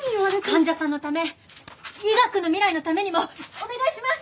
患者さんのため医学の未来のためにもお願いします！